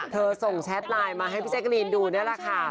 ส่งแชทไลน์มาให้พี่แจ๊กรีนดูนี่แหละค่ะ